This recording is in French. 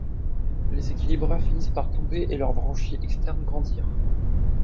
Le équilibreurs finissent par tomber et leurs branchies externes grandir.